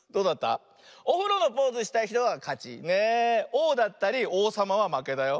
オーだったりおうさまはまけだよ。